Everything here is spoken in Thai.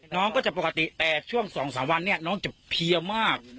น้องก็จะปกติแต่ช่วง๒๓วันเนี่ยน้องจะเพียวมาก